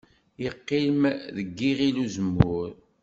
Iqqim deg yiɣil n uzemmur.